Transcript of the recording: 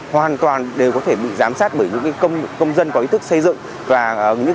hoàn toàn đều có thể bị giám sát bởi những công nghệ